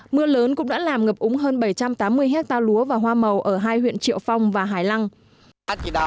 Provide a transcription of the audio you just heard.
mưa lớn cũng đã làm ngập úng hơn bảy trăm tám mươi hectare lúa và hoa màu ở hai huyện triệu phong và hải lăng